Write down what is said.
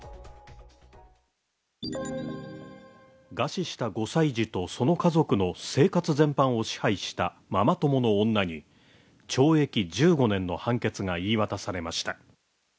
餓死した５歳児と、その家族の生活全般を支配したママ友の女に懲役１５年の判決が言い渡されました。